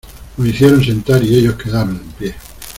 nos hicieron sentar, y ellos quedaron en pie.